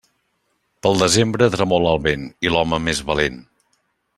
Pel desembre, tremola el vent i l'home més valent.